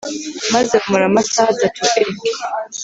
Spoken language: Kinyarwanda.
maze bamara amasaha atatu e